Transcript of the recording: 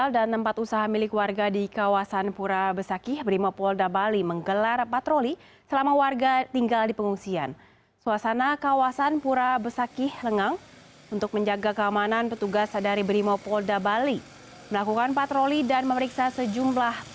lalu rahmat juniadi mataram